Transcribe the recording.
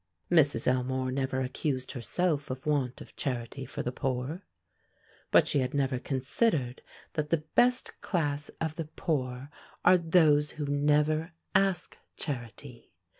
Mrs. Elmore never accused herself of want of charity for the poor; but she had never considered that the best class of the poor are those who never ask charity.